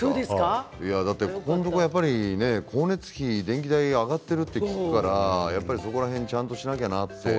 ここのところ光熱費電気代が上がっていると聞くからそこら辺をちゃんとしなきゃなって。